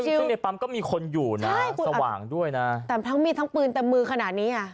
ซึ่งในปั๊มก็มีคนอยู่นะสว่างด้วยนะแต่ทั้งมีดทั้งปืนเต็มมือขนาดนี้อ่ะ